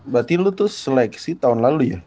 batin lu tuh seleksi tahun lalu ya